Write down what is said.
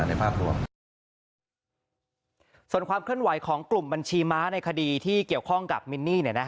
ส่วนความเคลื่อนไหวของกลุ่มบัญชีม้าในคดีที่เกี่ยวข้องกับมินนี่